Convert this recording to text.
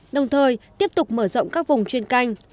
đồng thời tiếp tục mở rộng các vùng chuyên canh